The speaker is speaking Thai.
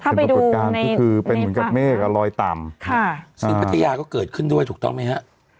ถ้าไปดูในคือเป็นเหมือนกับเมฆอ่ะรอยต่ำค่ะอ่าซึ่งปัทยาก็เกิดขึ้นด้วยถูกต้องไหมฮะ